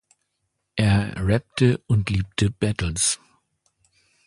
Er rappte und liebte Battles.